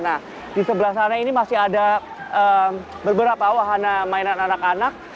nah di sebelah sana ini masih ada beberapa wahana mainan anak anak